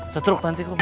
setruk nanti kum